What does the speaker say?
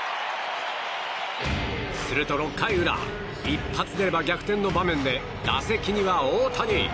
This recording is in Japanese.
すると、６回裏一発出れば逆転の場面で打席には大谷。